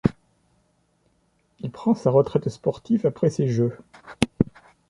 Il prend sa retraite sportive après ces Jeux.